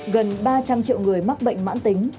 gần ba trăm linh triệu người mắc bệnh mãn tính